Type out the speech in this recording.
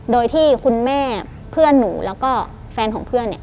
โดยที่คุณแม่เพื่อนหนูแล้วก็แฟนของเพื่อนเนี่ย